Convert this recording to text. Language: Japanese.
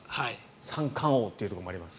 三冠王というところもあります。